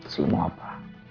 siapa mau apa